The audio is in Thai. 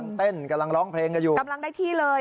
เต้นกำลังร้องเพลงกันอยู่กำลังได้ที่เลย